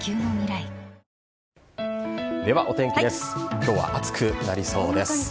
今日は暑くなりそうです。